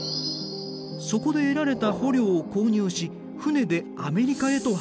そこで得られた捕虜を購入し船でアメリカへと運ぶ。